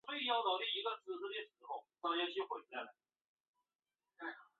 也会打鼓和演奏贝斯。